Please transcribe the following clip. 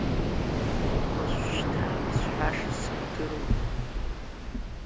Уажәшьҭа исҳәаша сымдыруеи!